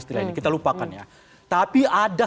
istilah ini kita lupakan ya tapi ada